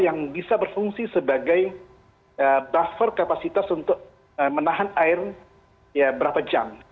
yang bisa berfungsi sebagai buffer kapasitas untuk menahan air ya berapa jam